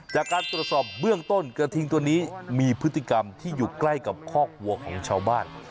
จากการตรวจสอบเบื้องต้นกระทิงตัวนี้มีพฤติกรรมที่อยู่ใกล้กับคอกวัวของชาวบ้าน